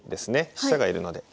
飛車が居るので。